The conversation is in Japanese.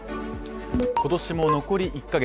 今年も残り１か月。